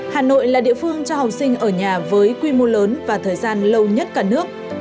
hà nội là địa phương cho học sinh ở nhà với quy mô lớn và thời gian lâu nhất cả nước